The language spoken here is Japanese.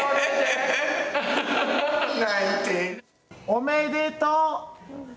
おめでとう。